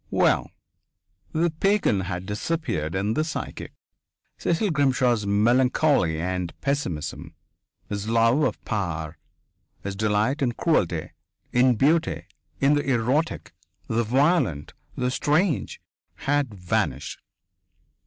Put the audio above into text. Well.... The pagan had disappeared in the psychic! Cecil Grimshaw's melancholy and pessimism, his love of power, his delight in cruelty, in beauty, in the erotic, the violent, the strange, had vanished!